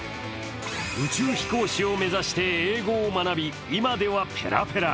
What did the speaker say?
宇宙飛行士を目指して英語を学び、今ではペラペラ。